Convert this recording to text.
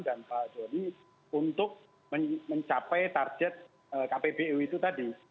dan pak jody untuk mencapai target kpbu itu tadi